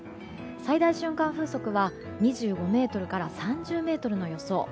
最大瞬間風速は２５メートルから３０メートルの予想。